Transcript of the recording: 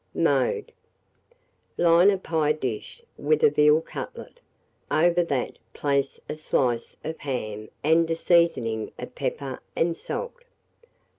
Mode. Line a pie dish with a veal cutlet; over that place a slice of ham and a seasoning of pepper and salt.